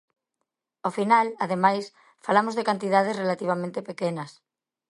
Ao final, ademais, falamos de cantidades relativamente pequenas.